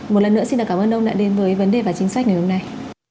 một lần nữa xin cảm ơn ông đã đến với vấn đề và chính sách ngày hôm nay